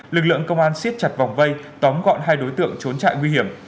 lực lượng công an xiết chặt vòng vây tóm gọn hai đối tượng trốn trại nguy hiểm